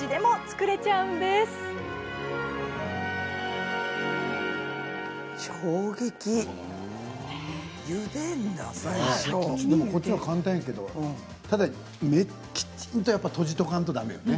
こっちのほうが簡単やけどただきちんとやっぱ閉じとかんとだめよね。